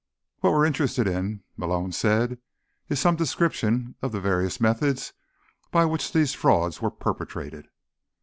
"What we're interested in," Malone said, "is some description of the various methods by which these frauds were perpetrated."